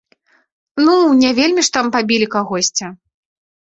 Ну, не вельмі ж там пабілі кагосьці.